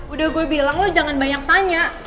udah gue bilang lo jangan banyak tanya